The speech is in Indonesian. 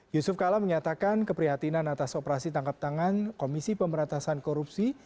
yusuf kala menyatakan keprihatinan atas operasi tangkap tangan komisi pemberantasan korupsi